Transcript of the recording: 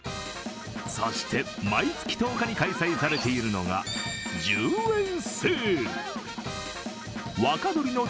そして毎月１０日に開催されているのが１０円セール。